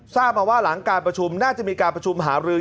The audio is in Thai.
ทราบมาว่าหลังการประชุมน่าจะมีการประชุมหารือ